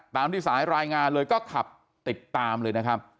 ตามที่สายรายงานเลยก็ขับติดตามเลยนะครับ